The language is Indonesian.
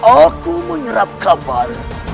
aku menyerap kabal